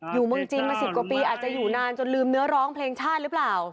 อยู่เมืองจีนมา๑๐กว่าปีอาจจะอยู่นานจนลืมเนื้อร้องเพลงชาติหรือเปล่า